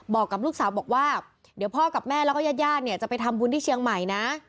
บอกกับลูกสาวบอกว่าเดี๋ยวพ่อกับแม่แล้วก็ญาติญาติเนี่ยจะไปทำบุญที่เชียงใหม่นะ